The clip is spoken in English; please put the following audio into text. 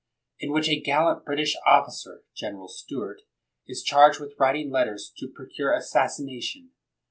In which a gallant British officer [General Stuart] is charged with writing letters to procure assas sination.